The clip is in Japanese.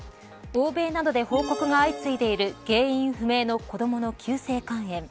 欧米などで報告が相次いでいる原因不明の子どもの急性肝炎。